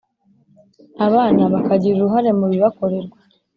Abana bakagira uruhare mu bibakorerwa